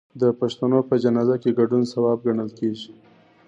د پښتنو په جنازه کې ګډون ثواب ګڼل کیږي.